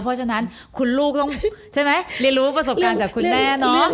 เพราะฉะนั้นคุณลูกต้องใช่ไหมเรียนรู้ประสบการณ์จากคุณแม่เนาะ